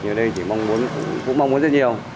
ở đây cũng mong muốn rất nhiều